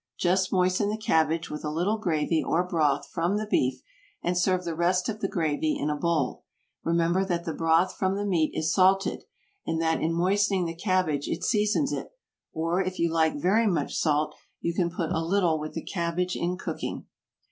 Just moisten the cabbage with a little gravy or broth from the beef, and serve the rest of the gravy in a bowl; remember that the broth from the meat is salted, and that in moistening the cabbage it seasons it, or if you like very much salt you can put a little with the cabbage in cooking.